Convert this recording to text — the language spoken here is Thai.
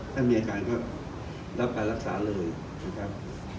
ถ้ามีอาการก็รับการรักษาเลยนะครับ